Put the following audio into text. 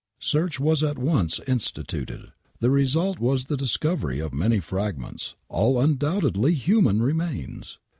Search was at once instituted. The result was the discovery of many fragments, all undoubt edly human remains